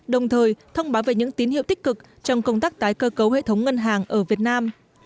đồng thời thông báo về những tín hiệu tích cực trong công tác tái cơ cấu hệ thống ngân hàng ở việt nam